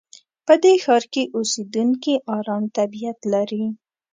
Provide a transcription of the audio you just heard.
په دې ښار کې اوسېدونکي ارام طبیعت لري.